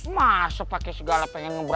masa pakai segala pengen